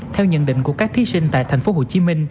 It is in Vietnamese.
theo nhận định của các thí sinh tại tp hcm